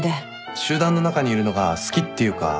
集団の中にいるのが好きっていうか楽？